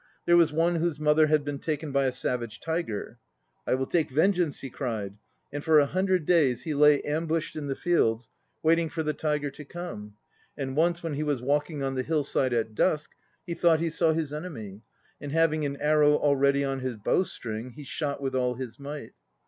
There was one whose mother had been taken by a savage tiger. "I will take vengeance," he cried, and for a hundred days he lay ambushed in the fields waiting for the tiger to come. And once when he was walking on the hillside at dusk, he thought he saw his; enemy, and having an arrow already on his bow string, he shot with all his might.